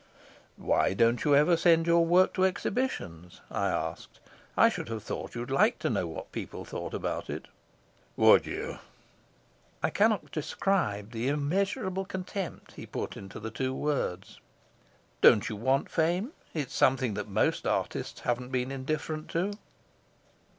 "Why don't you ever send your work to exhibitions?" I asked. "I should have thought you'd like to know what people thought about it." "Would you?" I cannot describe the unmeasurable contempt he put into the two words. "Don't you want fame? It's something that most artists haven't been indifferent to."